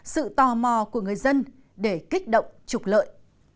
sự tò mò của người dân để kích động trục lợi